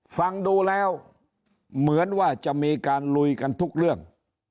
ฟังดูแล้วเหมือนว่าจะมีการลุยกันทุกเรื่อง